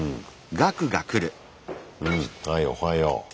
はいおはよう。